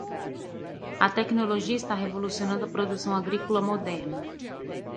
A tecnologia está revolucionando a produção agrícola moderna.